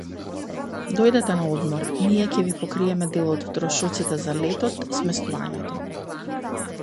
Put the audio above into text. Дојдете на одмор, ние ќе ви покриеме дел од трошоците за летот и сместувањето